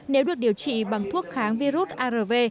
nếu được điều trị bằng thuốc kháng virus arv